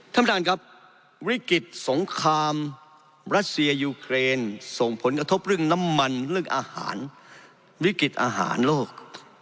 ท่านประธานครับวิกฤตสงครามรัสเซียยูเครนส่งผลกระทบเรื่องน้ำมันเรื่องอาหารวิกฤตอาหารโลก